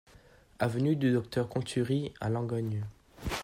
Avenue du Docteur Conturie à Langogne